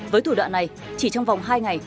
với thủ đoạn này chỉ trong vòng hai ngày